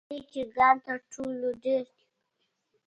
کورني چرګان تر ټولو ډېر دي.